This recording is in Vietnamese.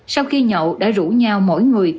sau khi nhậu đã rủ nhau mỗi người